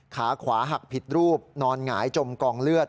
ขาขวาหักผิดรูปนอนหงายจมกองเลือด